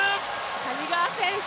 谷川選手